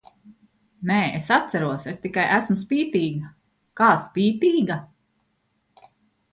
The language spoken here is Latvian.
Nē, es atceros, es tikai esmu spītīga! Kā spītīga?!?